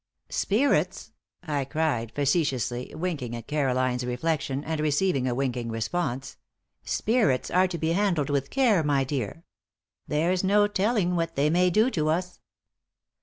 "Spirits," I cried, facetiously, winking at Caroline's reflection, and receiving a winking response, "spirits are to be handled with care, my dear. There's no telling what they may do to us."